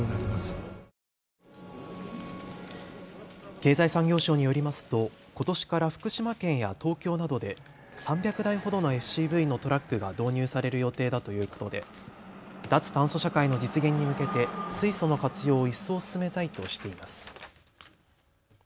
経済産業省によりますとことしから福島県や東京などで３００台ほどのＦＣＶのトラックが導入される予定だということで脱炭素社会の実現に向けて水素の活用を一層進めたいとしています。